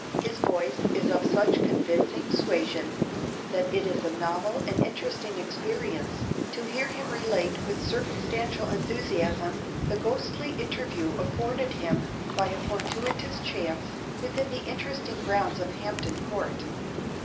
His voice is of such convincing suasion, that it is a novel and interesting experience to hear him relate with circumstantial enthusiasm, the ghostly interview afforded him by a fortuitous chance within the interesting grounds of Hampton Court.